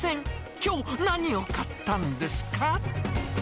きょう、何を買ったんですか？